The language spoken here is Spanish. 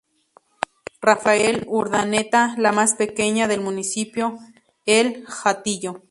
Rafael Urdaneta", la más pequeña del Municipio El Hatillo.